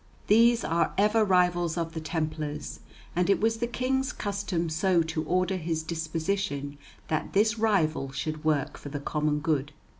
These are ever rivals of the Templars, and it was the King's custom so to order his disposition that this rivalry should work for the common good.